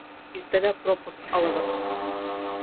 Иртәгә пропуск алығыҙ